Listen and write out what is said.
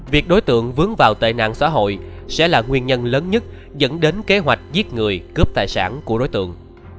việc đối tượng vướng vào tệ nạn xã hội sẽ là nguyên nhân lớn nhất dẫn đến kế hoạch giết người cướp tài sản của đối tượng